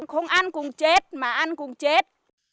không ăn cũng chết mà ăn cũng chết